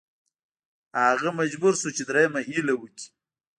هغه مجبور شو چې دریمه هیله وکړي.